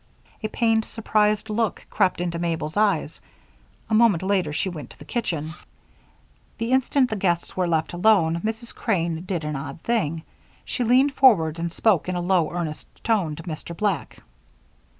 A pained, surprised look crept into Mabel's eyes. A moment later she went to the kitchen. The instant the guests were left alone, Mrs. Crane did an odd thing. She leaned forward and spoke in a low, earnest tone to Mr. Black.